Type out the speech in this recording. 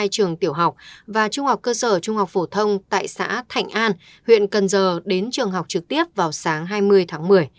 hai mươi trường tiểu học và trung học cơ sở trung học phổ thông tại xã thạnh an huyện cần giờ đến trường học trực tiếp vào sáng hai mươi tháng một mươi